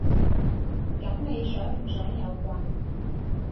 噉你想唔想有棍？